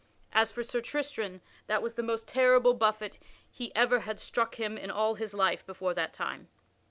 As for Sir Tristram, that was the most terrible buffet he ever had struck him in all his life before that time.